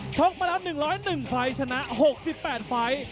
ช็อกมารับ๑๐๑ไฟล์ชนะ๖๘ไฟล์